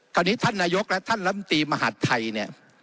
คราวนี้ท่านนายกและท่านลำตีมหาธัยเนี่ย